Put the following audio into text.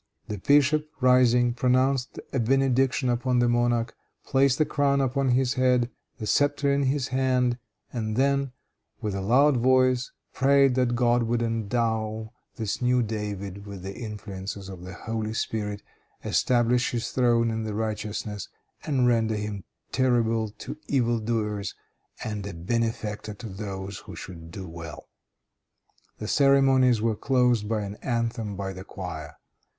The bishop, rising, pronounced a benediction upon the monarch, placed the crown upon his head, the scepter in his hand, and then, with a loud voice, prayed that God would endow this new David with the influences of the Holy Spirit, establish his throne in righteousness, and render him terrible to evil doers and a benefactor to those who should do well. The ceremonies were closed by an anthem by the choir.